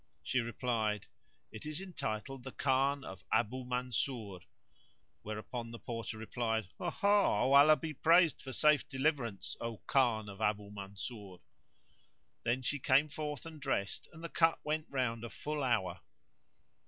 She replied, "It is entitled the Khan[FN#162] of Abu Mansur;" whereupon the Porter replied, "Ha! ha! O Allah be praised for safe deliverance! O Khan of Abu Mansur!" Then she came forth and dressed and the cup went round a full hour.